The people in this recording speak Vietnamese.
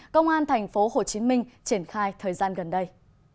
công an tp hcm triển khai thời gian gần đây